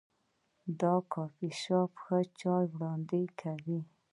دا کافي شاپ ښه چای وړاندې کوي.